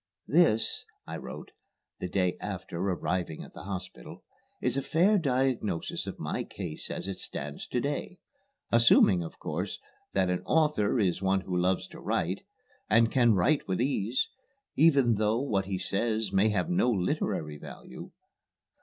"This," I wrote (the day after arriving at the hospital) "is a fair diagnosis of my case as it stands to day, assuming, of course, that an author is one who loves to write, and can write with ease, even though what he says may have no literary value.